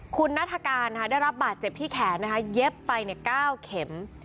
คุณนัฐกาลได้รับบาดเจ็บที่แขนนะคะเย็บไป๙เข็ม